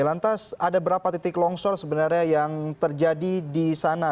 lantas ada berapa titik longsor sebenarnya yang terjadi di sana